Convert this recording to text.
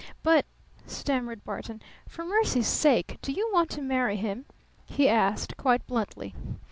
"But " stammered Barton. "For mercy's sake, do you want to marry him?" he asked quite bluntly.